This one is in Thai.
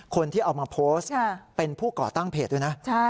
คนที่เอามาโพสต์เป็นผู้ก่อตั้งเพจด้วยนะ